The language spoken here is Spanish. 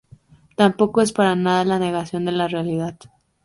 Tampoco es para nada la negación de la realidad.